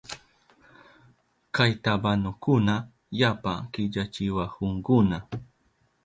Kay tabanukuna yapa killachiwahunkuna.